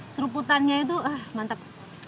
seruputannya itu mantap